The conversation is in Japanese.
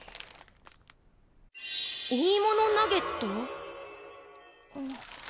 いいものナゲット？